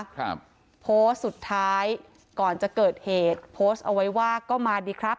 ครับโพสต์สุดท้ายก่อนจะเกิดเหตุโพสต์เอาไว้ว่าก็มาดีครับ